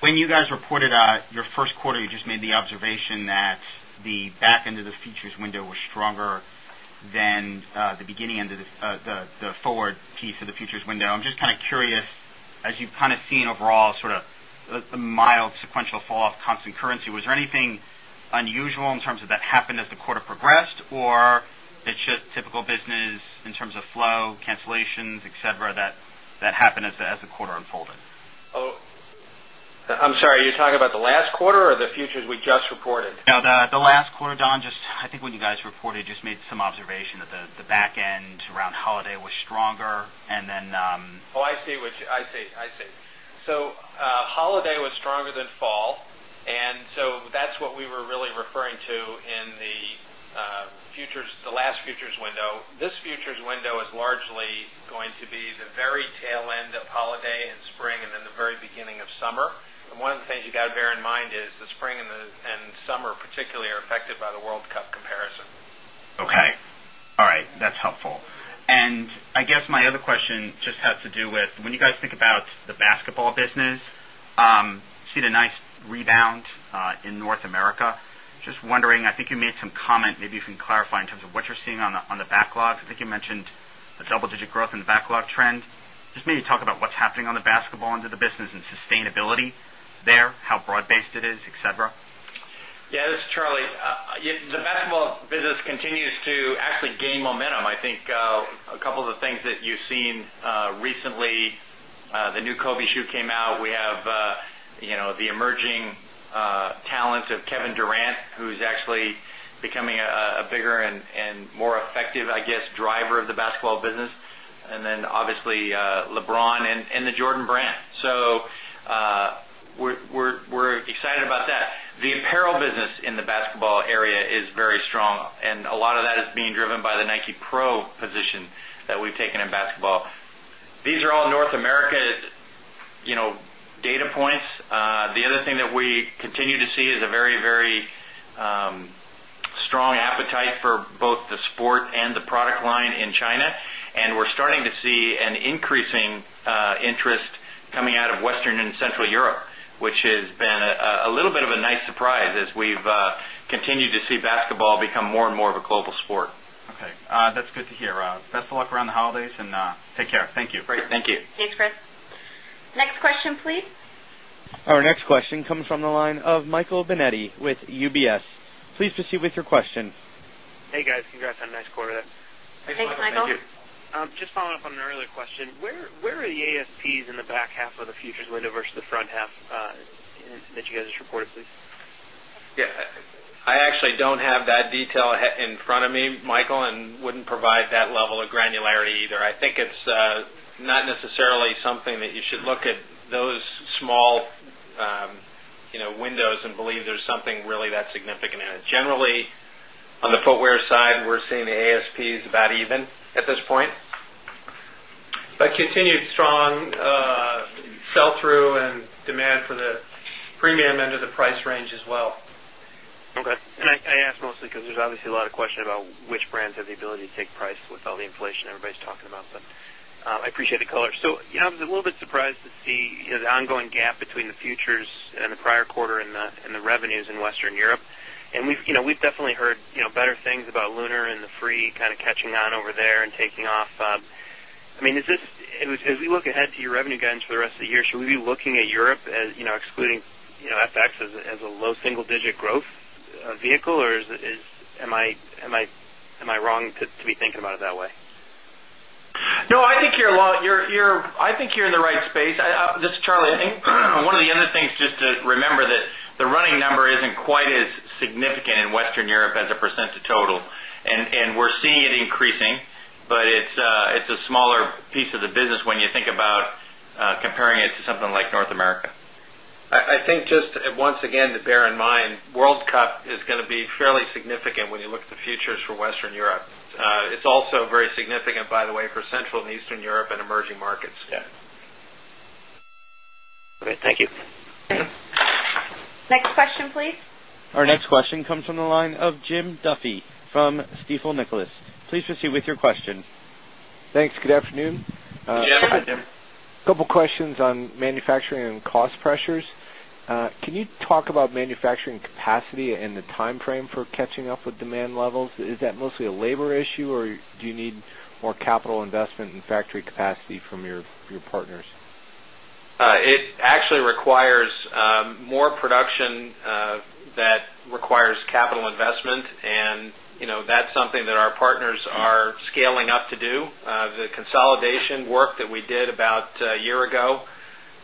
When you guys reported your Q1, you just made the observation that the back end of the futures window was stronger than the beginning end of the forward piece of the features window. I'm just kind of curious as you've kind of seen overall sort of the mild sequential fall off constant currency, was there anything unusual in terms of that happened as the quarter progressed or it's just typical business in terms of flow cancellations, etcetera that happened as the quarter unfolded? I'm sorry, you're talking about the last quarter or the futures we just reported? No, the last quarter, Don, just I think when you guys reported, just made some observation that the back end around holiday was stronger and then Oh, I see, which I see, I see. So, holiday was stronger than fall. And so that's what we were really referring to in the futures the last futures window. This futures window is largely going to be the very tail end of holiday and spring and then the very beginning of summer. And one thing you got to bear in mind is the spring and summer particularly are affected by the World Cup comparison. Okay. All right. That's helpful. And I guess my other question just has to do with when you guys think about the basketball business, you see the nice rebound in North America. Just wondering, I think you made some comment, maybe you can clarify in terms of what you're seeing on the I think you made some comment, maybe you can clarify in terms of what you're seeing on the backlog. I think you mentioned a double digit growth in the backlog trend. Just maybe talk about what's happening on basketball end of the business and sustainability there, how broad based it is, etcetera? Yes, this is Charlie. The basketball business continues to actually gain momentum. I think a couple of the things that you've seen recently, the new Kobe shoe came out. We have the emerging talents of Kevin Durant, who is actually becoming a bigger and more effective, I guess, driver of the basketball business and then obviously LeBron and the Jordan brand. So, we're excited about that. The apparel business in the basketball area is very strong and a lot of that is being driven by the Nike Pro position that we've taken in basketball. These are all North America data points. The other thing that we continue to see is a very, very strong appetite for both the sport and the product line in China, and we're starting to see an increasing interest coming out of Western and Central Europe, which has been a little bit of a nice surprise as we've continued to see basketball become more and more of global sport. Okay. That's good to hear. Best of luck around the holidays and take care. Thank you. Great. Thank you. Thanks, Chris. Next question please. Our next question comes from the line of Michael Binetti with UBS. Please proceed with your question. Hey, guys. Congrats on a nice quarter. Thanks, Michael. Just up on an earlier question, where are the ASPs in the back half of the futures window versus the front half that you guys just reported, please? Yes. I actually don't have that detail in front of me, Michael, and wouldn't provide that level of granularity either. I think it's not necessarily something that you should look at those small windows and believe there's something really that significant in it. Generally, on the footwear side, we're seeing the ASPs about even at this point. But continued strong sell through and demand for the premium end of the price range as well. Okay. And I asked mostly because there's obviously a lot of question about which brands have the ability to take price with all the inflation everybody's talking about, but I appreciate the color. So, I was a little bit surprised to see the ongoing gap between the futures and the prior quarter and the revenues in Western Europe. And we've definitely heard better things about Lunar and the free kind of catching on over there and taking off. I mean, is this as we look ahead to your revenue guidance for the rest of the year, should we be looking at Europe excluding FX as a low single digit growth vehicle or is am I wrong to be thinking about it that way? No, I think you're in the right space. This is Charlie. I think one of the other things just to remember that the running number isn't quite as significant in Western Europe as a percent of total. And we're seeing it increasing, but it's a smaller piece of the business when you think about comparing it to something like North America. I think just once again to bear in mind, World Cup is going to be fairly significant when you look at the futures for Western Europe. It's also very significant by the way for Central and Eastern Europe and emerging markets. Our next question comes from the line of Jim Duffy from Stifel Nicolaus. Please proceed with your question. Thanks. Good afternoon. Couple of questions on manufacturing and cost pressures. Can you talk about manufacturing capacity and the time frame for catching up with demand levels? Is that mostly a labor issue or do you need more capital investment in factory capacity from your partners? It actually requires more production that requires capital investment and that's something that our partners are scaling up to do. The consolidation work that we did about a year ago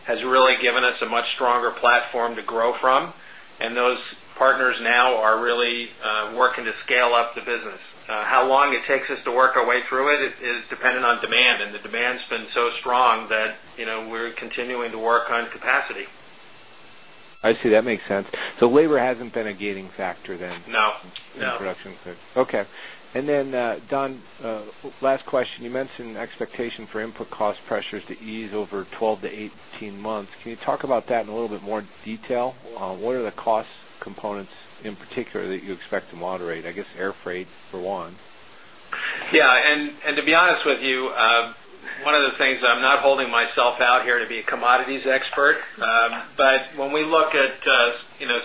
has really given us a much stronger platform to grow from and those partners now are really working to scale up the business. How long it takes us to work our way through it is dependent on demand and the demand has been so strong that we're continuing to work on capacity. I see that makes sense. So labor hasn't been a gating factor then? No. Production. Okay. And then Don, last question. You mentioned expectation for input cost pressures to ease over 12 to 18 months. Can you talk about that in a little bit more detail? What are the cost components in particular that you expect to moderate? I guess airfreight for 1? Yes. And to be honest with you, one of the things I'm not holding myself out here to be commodities expert, but when we look at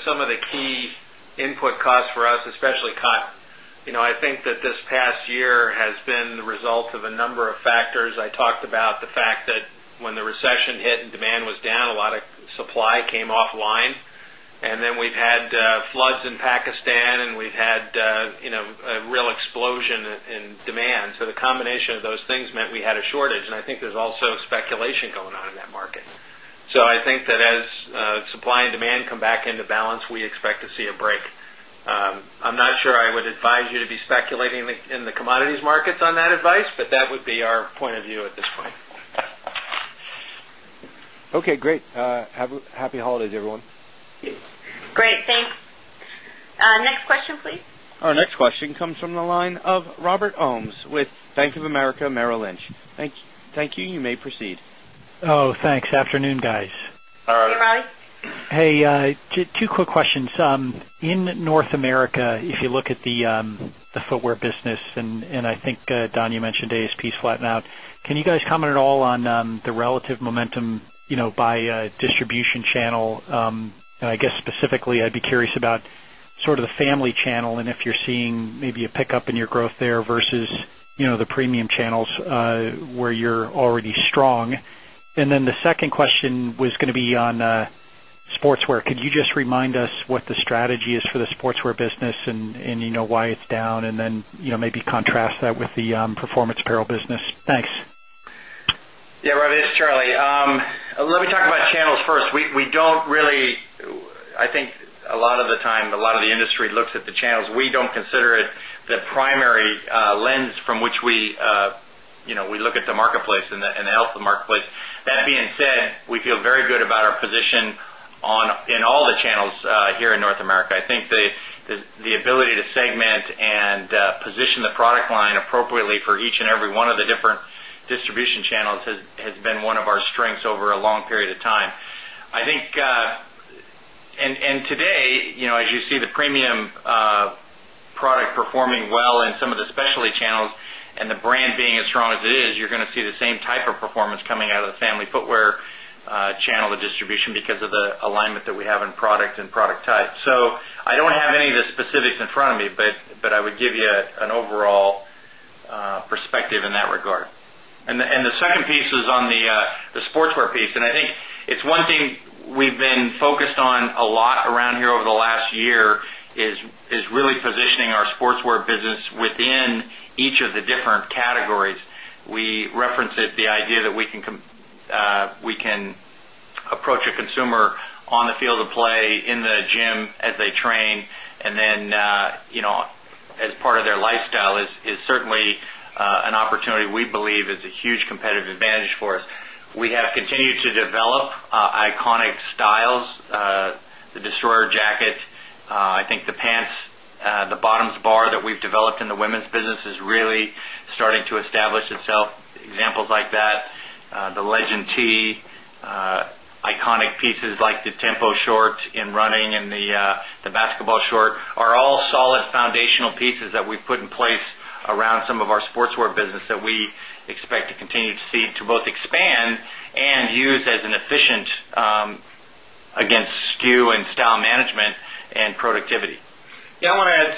some of the key input costs for us, especially cut, I think that this past year has been the result of a number of factors. I talked about the fact that when the recession hit and demand was down, a lot of supply came offline. And then we've had floods Pakistan and we've had a real explosion in demand. So the combination of those things meant we had a shortage and I think there's also speculation going on in that market. So, I think that as supply and demand come back into balance, we expect to see a break. I'm not sure I would advise you to be speculating in the commodities markets on that advice, but that would be our point of view at this point. Our next question comes from the line of Robert Ohmes with Bank of America Merrill Lynch. Thank you. You may proceed. Thanks. Afternoon guys. Hi, Ronny. Hey, two quick questions. In North America, if you look at the footwear business and I think Don you mentioned ASPs flatten out. Can you guys comment at all on the relative momentum by the premium channels where you're already strong. And the premium channels where you're already strong? And then the second question was going to be on sportswear. Could you just remind us what the strategy is for the sportswear business and why it's down and then maybe contrast that with the Performance Apparel business? Thanks. Yes, Ravi, this is Charlie. Let me talk about channels first. We don't really I think a lot of the time, a lot of the industry looks at the channels. We don't consider it the primary lens from which we look at the marketplace and the health of the marketplace. That being said, we feel very good about our position on in all the channels here in North America. I think the ability to segment and position the product line appropriately for each and every one of the different distribution channels has been one of our strengths over a long period of time. I think and today, as you see the premium product performing well in some of the specialty channels and the brand being as strong as it is, you're going to see the same type of performance coming out of the family footwear channel, the distribution because of the alignment that we have in product and product type. So I don't have any of the specifics in front of me, but I would give you an overall perspective in that regard. And the second piece is on the sportswear piece. And I think it's one thing we've been focused on a lot around here over the last year is really positioning our sportswear business within each of the different categories. We referenced it the idea that we can approach a consumer on the field of play in the gym as they train and then as part of their lifestyle is certainly an opportunity the destroyer jacket, I think the pants, the bottoms bar that we've developed in the women's business is really starting to establish itself. Examples like that, the Legende iconic pieces like the Tempo short in running and the basketball short are all solid foundational pieces that we've put in place around some of our sportswear business that we expect to continue to see to both expand and use as an efficient against SKU and style management and productivity. Yes, I want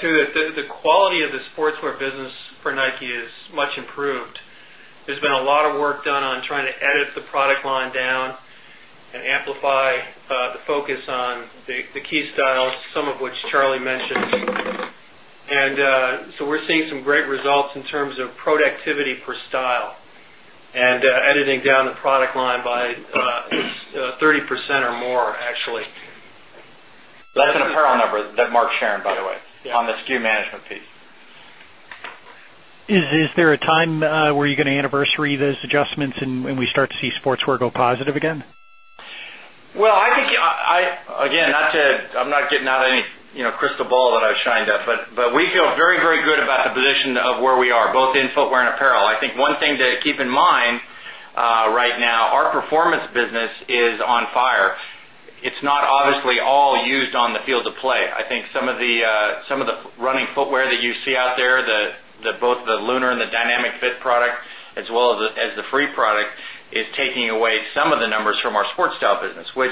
to add to the quality of the sportswear business for NIKE is much improved. There's been a lot of work done on trying to edit the product line down and amplify the focus on the key styles, some of which Charlie mentioned. And so we're seeing some great results in terms of productivity per style and editing down the product line by 30% or more actually. That's an apparel number that Mark shared by the way on the SKU management piece. Is there a time where you're going to anniversary those adjustments and we start to see sports wear go positive again? Well, I think I again, not to I'm not getting out any crystal ball that I shined up, but we feel very, very good about the position of where we are, both in footwear and apparel. I think one thing to keep in mind right now, our performance business is on fire. It's not obviously all used on the field of play. I think some of the running footwear that you see out there, the both the LUNAR and the DYNAMIC FIT product as well as the free product is taking away some of the numbers from our Sport style business, which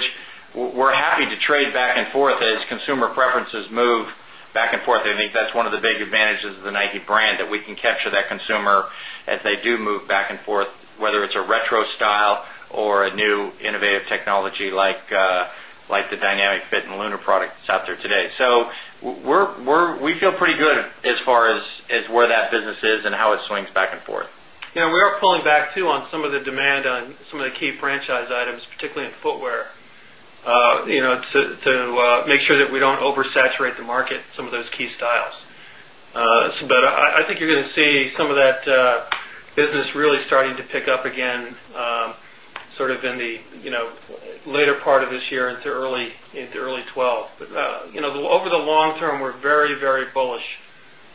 we're happy to trade back and forth as consumer preference is move back and forth. I think that's one of the big advantages of the Nike brand that we can capture that consumer as they do move back and forth, whether it's a retro style or a new innovative technology like the dynamic fit and lunar product that's out there today. So, we're we feel pretty good as far as where that business is and how it swings back and forth. We are pulling back too on some of the demand on some of the key franchise items, particularly in footwear to make sure that we don't over saturate the market in some of those key styles. I think you're going to see some of that business really starting to pick up again sort of in the later part of this year into early 'twelve. But over the long term, we're very, very bullish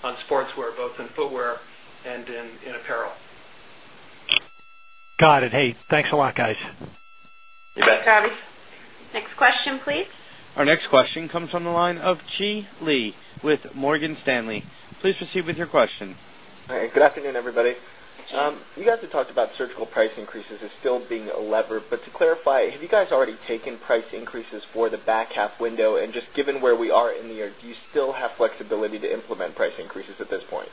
on sportswear both in footwear and in apparel. Got it. Hey, thanks a lot guys. You bet. Thanks, Robbie. Next question please. Our next still being a lever. But to clarify, have you guys already taken price increases for the back half window? And just given where we are in the year, do you still have flexibility to implement price increases at this point?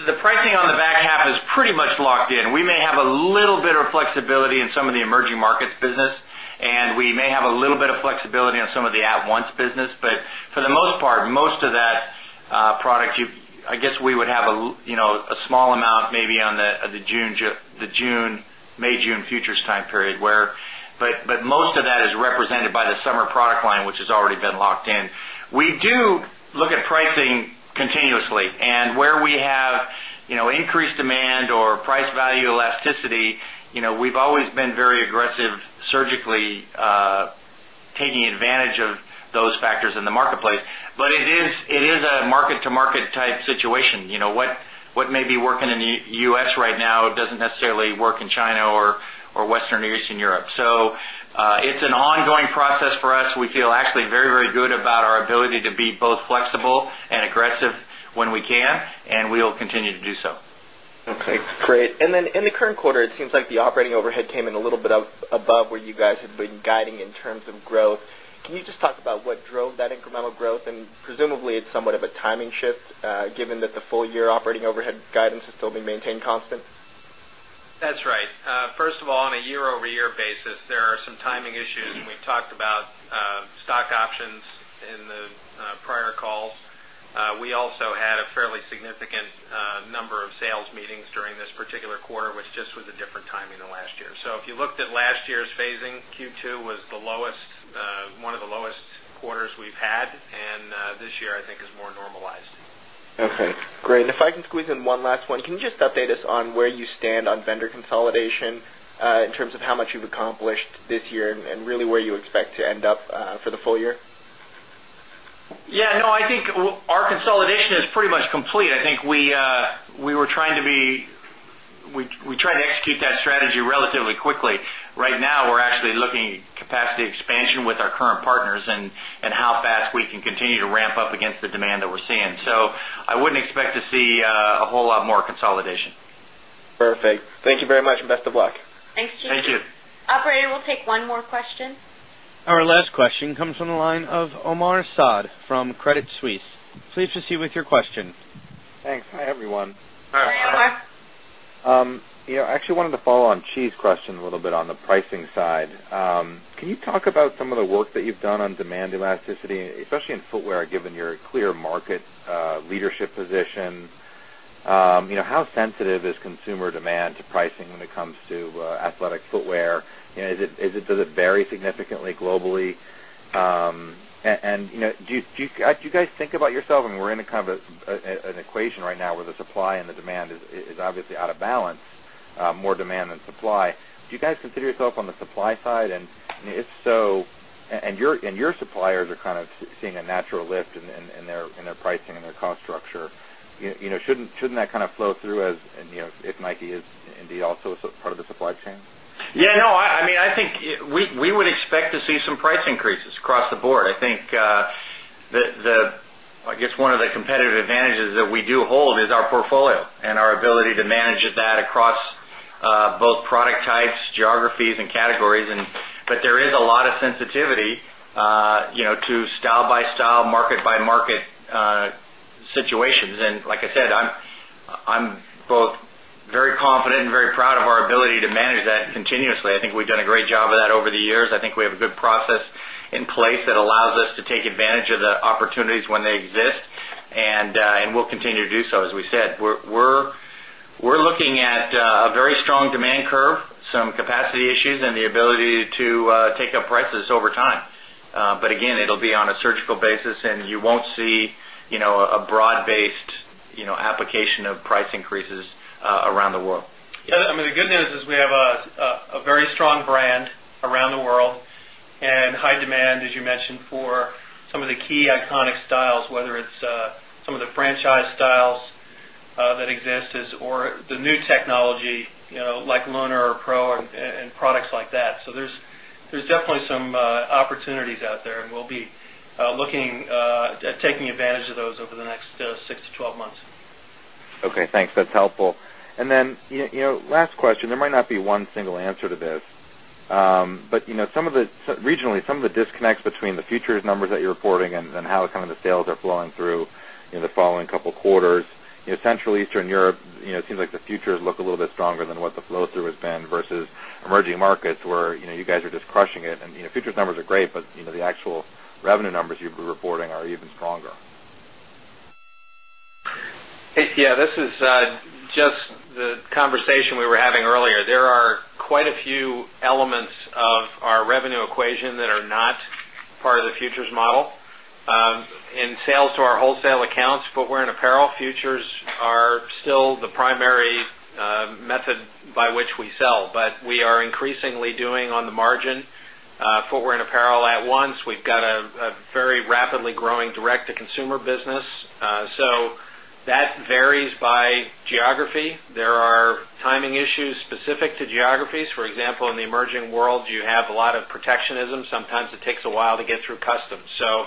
The pricing on the back half is pretty much locked in. We may have a little bit of flexibility in some of the in some of the at once business. But for the most part, most of that product, I guess, we would have a small amount maybe on the June May June futures time period where but most that is represented by the summer product line, which has already been locked in. We do look at pricing continuously and where we have increased demand or price value elasticity, we've always been very aggressive surgically taking advantage of those factors in the marketplace. Place. But it is a market to market type situation. What may be working in the U. S. Right now doesn't necessarily work in China or Western or Eastern Europe. So, necessarily work in China or Western or Eastern Europe. So it's an ongoing process for us. We feel actually very, very good about our ability to be both flexible and aggressive above where you guys have been guiding in terms of growth. Can you just talk bit above where you guys have been guiding in terms of growth. Can you just talk about what drove that incremental growth? And presumably, it's somewhat of a timing shift given that the full year operating overhead guidance is still being maintained constant? That's right. First of all, on a year over year basis, there are some timing issues and we've talked about stock options in the prior calls. We also had a fairly significant number of sales meetings during this particular quarter, which just was a different timing than last year. So if you looked at last year's phasing, Q2 was the lowest, one of the lowest quarters we've had and this year I think is more normalized. Okay, great. And if I can squeeze in one last one, can you just update us on where you stand on vendor consolidation in terms of how much you've accomplished this year and really where you expect to end up for the full year? Yes. No, I think our consolidation is pretty much complete. I think we were trying to be we tried to execute that strategy relatively quickly. Right now, we're actually looking at capacity expansion with our current partners and how fast we can continue to ramp up against the demand that we're seeing. So, I wouldn't expect to see a whole lot more consolidation. Perfect. Thank you very much and best of luck. Thanks, Jason. Thank you. Operator, we'll take one more question. Our last question comes from the line of Omar Saad from Credit Suisse. Please proceed I actually wanted to follow on Chi's question a little bit on the pricing side. Can you talk about some of the work that you've done on demand elasticity, especially in footwear, given your clear market leadership position, how sensitive is consumer demand to pricing when it comes to athletic footwear? Is it to the very significantly globally? And do you guys think about yourself and we're in a kind of an equation right now where the supply and the demand is obviously out of balance, more demand than supply. Do you guys consider yourself on the supply side? And if so and your suppliers are kind of seeing a natural lift in their pricing and their cost structure. Shouldn't that kind of flow through as if NIKE is indeed also part of the supply chain? Yes. No, I mean, I think we would expect to see some price increases across the board. I think the I guess one of the competitive advantages that we do hold is our portfolio and our ability to manage that across both product types, geographies and categories. But there is a lot of sensitivity to style by style, market by market situations. And like I said, I'm both very confident and very proud of our ability manage that continuously. I think we've done a great job of that over the years. I think we have a good process in place that allows us to take advantage of the opportunities when they exist and we'll continue to do so. As we said, we're looking at a very strong demand curve, some capacity issues and the ability to take up prices over time. But again, it will be on a surgical basis and you won't see a broad based application of demand, as you mentioned, for some of the key iconic styles, whether it's demand as you mentioned for some of the key iconic styles whether it's some of the franchise styles that exist or the new technology like loaner or pro and products like that. So, there's definitely some opportunities out there and we'll be looking at taking advantage of those over the next 6 to 12 months. Okay, thanks. That's helpful. And then last question, there might not be one single answer to this, but some of the regionally, some of the disconnects between the futures numbers that you're reporting and how kind of the sales are flowing through in the following couple of quarters? Central Eastern Europe, it seems like the futures look a little bit stronger than what the flow through has been versus emerging markets where you guys are just crushing it and futures numbers are great, but the actual revenue numbers you've been reporting are even stronger. Hey, Tia. This is just the conversation we were having earlier. There are quite a few elements of our revenue equation that are not part of the futures model. In sales to our wholesale accounts, footwear and apparel futures are still the primary method by which we sell, but we are increasingly doing on the margin for wear and apparel at once. We've got a very rapidly growing direct to consumer business. So that varies by geography. There are timing issues specific to geographies. For example, in the emerging world, you have a lot of protectionism. Sometimes it takes a while to get through customs. So,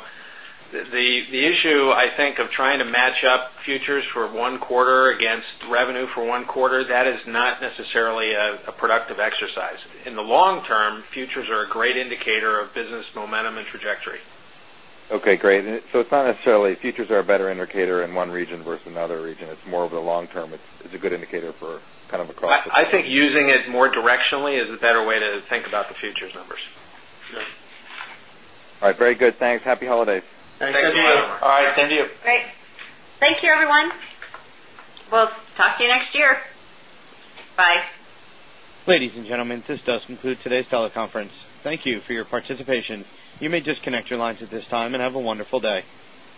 the issue I think of trying to match up futures for 1 quarter against revenue for 1 quarter that is not necessarily a productive exercise. In the long term, futures are a great indicator of business momentum and trajectory. Okay, great. So it's not necessarily futures are a better indicator in one region versus another region. It's more over the long term. It's a good indicator for kind of across the country. I think using it more directionally is a better way to think about the futures numbers. All right. Very good. Thanks. Happy holidays. Thank you, everyone. We'll talk to you next year. Bye. Ladies and gentlemen, this does conclude today's teleconference. Thank you for your participation. You may disconnect your lines at this time and have a wonderful day.